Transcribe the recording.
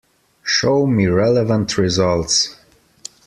Show me relevant results.